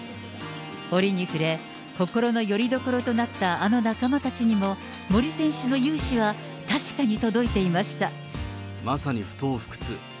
折に触れ、心のよりどころとなったあの仲間たちにも、森選手の雄姿は確かに届いていました。